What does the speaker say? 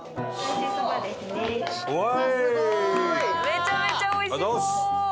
めちゃめちゃおいしそう。